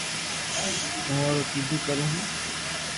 ھون اورو ڪآدو ڪرو ھون